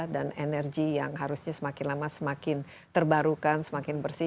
dan energi yang harusnya semakin lama semakin terbarukan semakin bersih